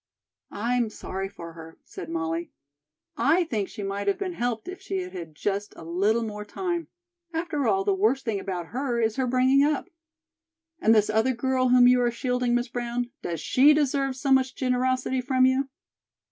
"I'm sorry for her," said Molly. "I think she might have been helped if she had had just a little more time. After all, the worse thing about her is her bringing up." "And this other girl whom you are shielding, Miss Brown, does she deserve so much generosity from you?"